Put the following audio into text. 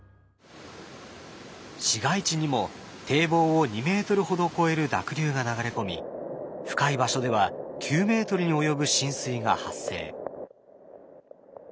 市街地にも堤防を２ｍほど越える濁流が流れ込み深い場所では９ｍに及ぶ浸水が発生。